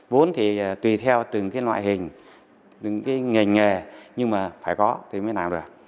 vốn thì tùy theo từng cái loại hình những cái ngành nghề nhưng mà phải có thì mới làm được